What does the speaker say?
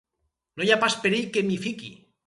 No hi ha pas perill que m'hi fiqui!